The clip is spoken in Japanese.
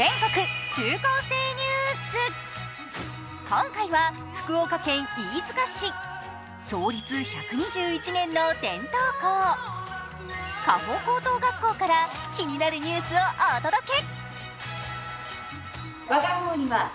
今回は、福岡県飯塚市。創立１２１年の伝統校。嘉穂高等学校から気になるニュースをお届け。